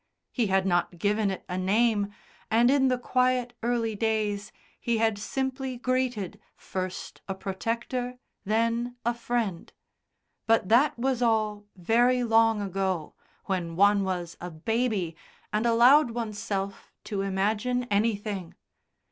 He had not given it a name, and in the quiet early days he had simply greeted, first a protector, then a friend. But that was all very long ago, when one was a baby and allowed oneself to imagine anything.